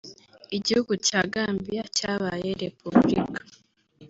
Igihugu cya Gambiya cyabaye repubulika